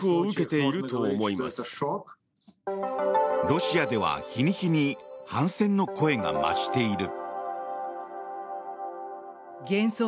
ロシアでは日に日に反戦の声が増している。